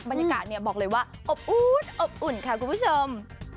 บรรยากาศบอกเลยว่าอบอุ้นอบอุ่นค่ะคุณผู้ชม